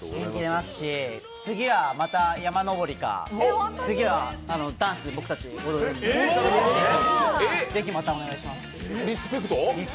元気出ますし、次はまた山登りか次はダンス、僕たち、踊るんでぜひまたお願いします。